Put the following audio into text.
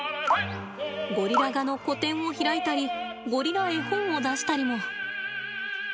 ゴリラ画の個展を開いたりゴリラ絵本を出したりも。